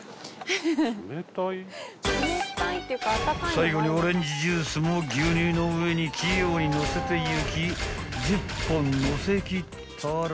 ［最後にオレンジジュースも牛乳の上に器用に載せていき１０本載せきったら］